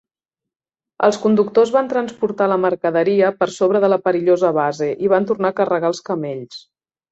Els conductors van transportar la mercaderia per sobre de la perillosa base i van tornar a carregar els camells.